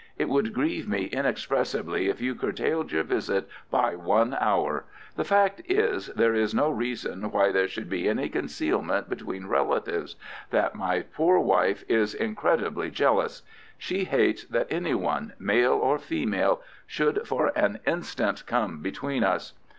"It would grieve me inexpressibly if you curtailed your visit by one hour. The fact is—there is no reason why there should be any concealment between relatives—that my poor dear wife is incredibly jealous. She hates that any one—male or female—should for an instant come between us.